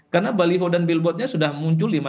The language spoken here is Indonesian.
kita bisa memperbaiki kemampuan kita